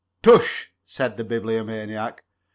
"Tush!" said the Bibliomaniac.